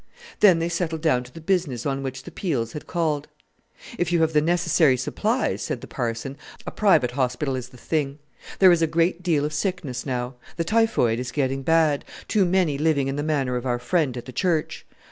Then they settled down to the business on which the Peels had called. "If you have the necessary supplies," said the Parson, "a private hospital is the thing. There is a great deal of sickness now. The typhoid is getting bad; too many living in the manner of our friend at the church.